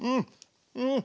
うん。